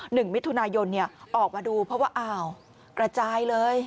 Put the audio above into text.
หนึ่งมิถุนายนเนี่ยออกมาดูเพราะว่าอ้าวกระจายเลย